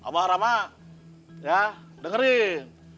pak rama dengerin